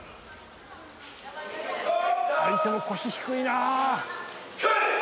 相手も腰低いな。